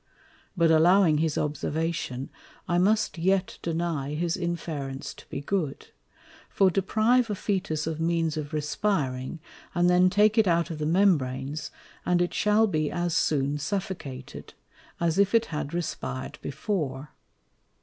But allowing his Observation, I must yet deny his Inference to be good: For deprive a Fœtus of means of respiring, and then take it out of the Membranes, and it shall be as soon suffocated, as if it had respired before.